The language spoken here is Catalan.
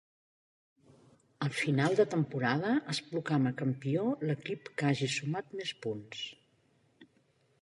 Al final de temporada es proclama campió l'equip que hagi sumat més punts.